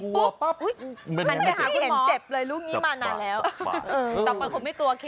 หรือไม่ต้นเข็มแล้วนะนี่น้องค์